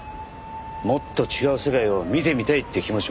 もっと違う世界を見てみたいっていう気持ちもある。